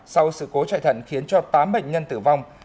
sau sự cố chạy thận khiến cho tám bệnh nhân tử vong